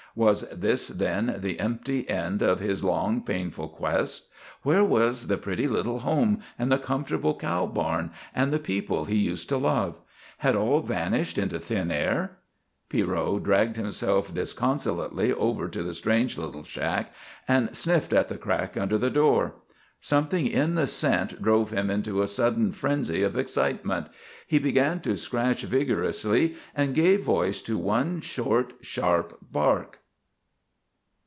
Was this, then, the empty end of his long, painful quest? Where was the pretty little home and the comfortable cow barn and the people he used to love? Had all vanished into thin air? Pierrot dragged himself disconsolately over to the strange little shack and sniffed at the crack under the door. Something in the scent drove him into a sudden frenzy of excitement. He began to scratch vigorously and gave voice to one short, sharp bark.